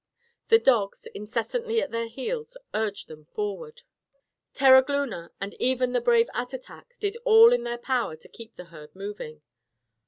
The dogs, incessantly at their heels, urged them forward. Terogloona, and even the brave Attatak, did all in their power to keep the herd moving.